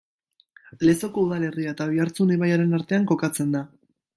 Lezoko udalerria eta Oiartzun ibaiaren artean kokatzen da.